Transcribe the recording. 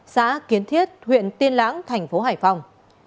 xã kiến thiết huyện tiên lãng thành phố hải phòng